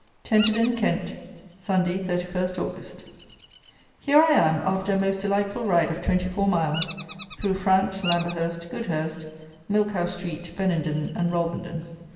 Tenterden (Kent), Sunday, 31 August. Here I am after a most delightful ride of twenty four miles, through Frant, Lamberhurst, Goudhurst, Milkhouse Street, Benenden, and Rolvenden.